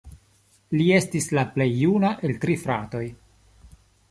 Li estis la plej juna el tri fratoj.